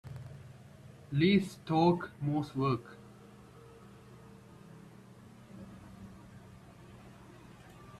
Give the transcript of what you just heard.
Least talk most work.